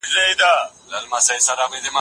د مطالعې په موضوع کې عقل او فکر پکار دی.